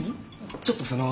ちょっとその。